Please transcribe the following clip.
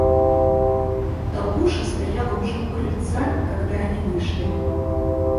Долгуша стояла уже у крыльца, когда они вышли.